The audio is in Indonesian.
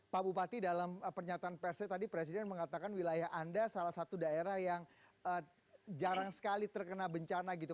pak bupati dalam pernyataan persnya tadi presiden mengatakan wilayah anda salah satu daerah yang jarang sekali terkena bencana gitu